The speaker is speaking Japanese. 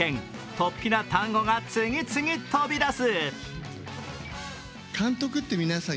突飛な単語が次々飛び出す。